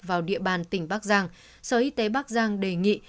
vào địa bàn tỉnh bắc giang sở y tế bắc giang đề nghị